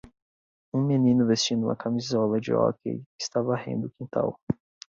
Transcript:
Um menino vestindo uma camisola de hóquei está varrendo o quintal.